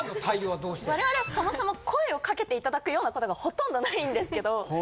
我々そもそも声をかけて頂くような事がほとんどないんですけど。